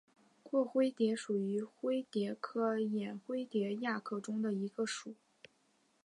拓灰蝶属是灰蝶科眼灰蝶亚科中的一个属。